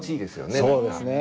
そうですね。